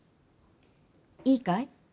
いいかい？